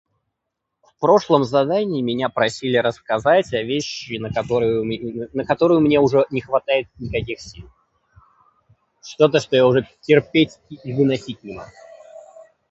В прошлом задании меня просили рассказать о вещи, на которую у мен- на которую мне уже не хватает никаких сил. Что-то, что я уже терпеть и и выносить не могу.